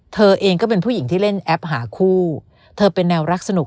เธอเองก็เป็นผู้หญิงที่เล่นแอปหาคู่เธอเป็นแนวรักสนุก